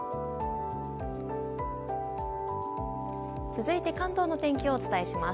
続いて関東の天気をお伝えします。